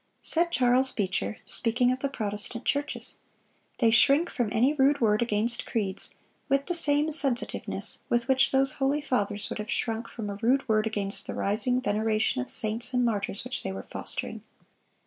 Said Charles Beecher, speaking of the Protestant churches: "They shrink from any rude word against creeds with the same sensitiveness with which those holy fathers would have shrunk from a rude word against the rising veneration of saints and martyrs which they were fostering....